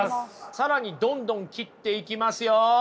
更にどんどん切っていきますよ。